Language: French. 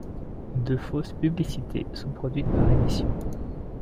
Deux fausses publicités sont produites par émission.